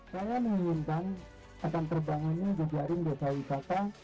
saya menginginkan akan terbangannya di jaring desa wisata